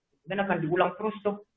kemudian akan diulang terus tuh